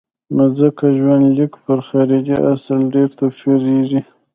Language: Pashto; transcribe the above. نو ځکه ژوندلیک پر خارجي اصل ډېر توپیرېږي.